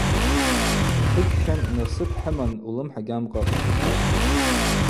Дхъыччан: – Насып хӏыман улымхӏа гьамкъакътӏ, – йхӏватӏ.